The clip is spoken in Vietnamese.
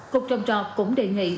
cục trồng trọc cũng đề nghị